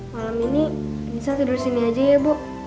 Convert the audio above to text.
malam ini bisa tidur sini aja ya bu